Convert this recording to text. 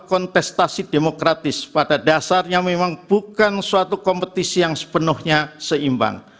kontestasi demokratis pada dasarnya memang bukan suatu kompetisi yang sepenuhnya seimbang